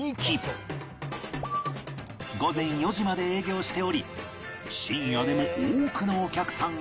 午前４時まで営業しており深夜でも多くのお客さんが